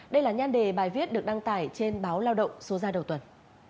đây là nhan đề bài viết được đăng tải trên báo lao động số ra đầu tuần